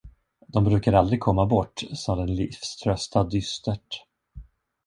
Dom brukar aldrig komma bort, sade den livströtta dystert.